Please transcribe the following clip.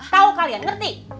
tau kalian ngerti